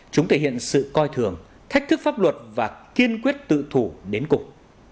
chúng thể hiện sự coi thường thách thức pháp luật và kiên quyết tự thủ đến cục